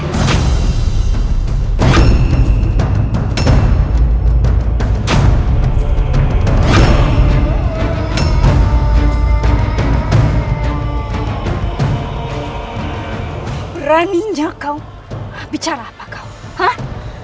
beraninya kau bicara apa kau hat